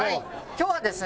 今日はですね